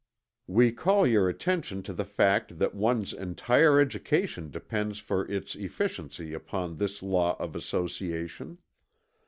We call your attention to the fact that one's entire education depends for its efficiency upon this law of association.